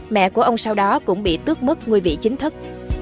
mẹ của ông sau đó cũng bị tước mất ngôi vị chính thức